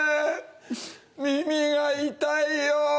耳が痛いよ。